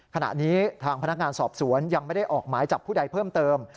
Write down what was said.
ขณะนี้ทางพนักงานสอบสวนยังไม่ได้ออกหมายจับผู้ใดเพิ่มเติม